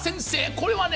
これはね